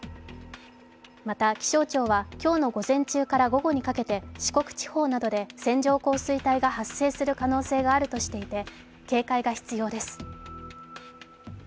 また、気象庁は今日の午前中から午後にかけて、四国地方などで線状降水帯が発生する可能性があるとしていて警戒が必要です。